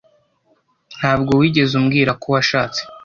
Ntabwo wigeze umbwira ko washatse.